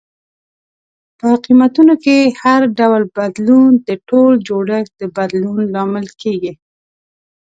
په قیمتونو کې هر ډول بدلون د ټول جوړښت د بدلون لامل کیږي.